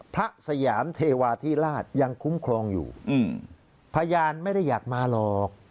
สยามเทวาธิราชยังคุ้มครองอยู่พยานไม่ได้อยากมาหรอก